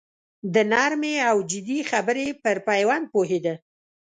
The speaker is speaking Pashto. د نرمې او جدي خبرې پر پېوند پوهېده.